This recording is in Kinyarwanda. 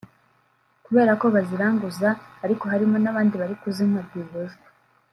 kubera ko baziranguza arko harimo n’abandi bari kuzinywa rwihishwa”